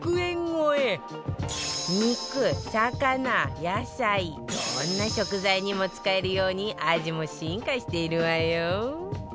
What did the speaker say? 肉魚野菜どんな食材にも使えるように味も進化しているわよ